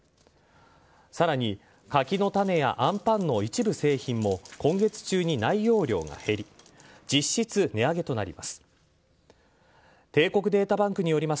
さらに柿の種やあんぱんの一部製品も今月中に内容量が減り実質、値上げとなります。